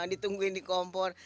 ditungguin di kompor